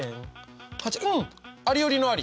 ありよりのあり。